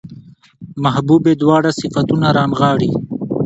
محبوبې دواړه صفتونه رانغاړي